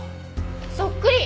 そっくり！